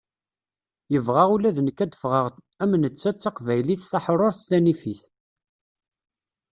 Yebɣa ula d nekk ad d-ffɣeɣ am netta d taqbaylit taḥrurt tanifit.